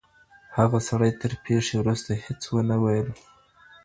هغه سړی تر پېښي وروسته هیڅ ونه ویل.